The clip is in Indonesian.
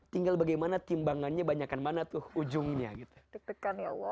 tinggal bagaimana timbangannya banyakan mana tuh ujungnya gitu